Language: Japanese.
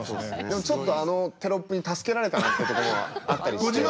でもちょっとあのテロップに助けられたなってところはあったりして。